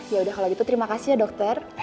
ya udah kalau gitu terima kasih ya dokter